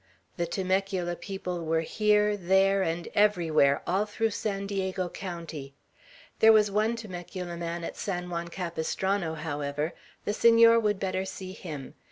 The Temecula people were here, there, and everywhere, all through San Diego County. There was one Temecula man at San Juan Capistrano, however. The Senor would better see him.